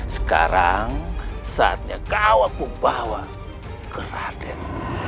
sekarang saatnya kau aku bawa ke raden